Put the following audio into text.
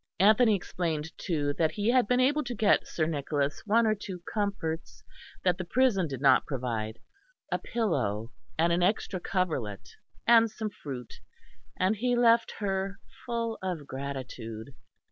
Anthony explained too that he had been able to get Sir Nicholas one or two comforts that the prison did not provide, a pillow and an extra coverlet and some fruit; and he left her full of gratitude.